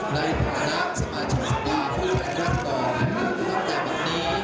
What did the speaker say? ในฐานะสมาชิกษัตริย์ประธานการณ์ต่อตั้งแต่วันนี้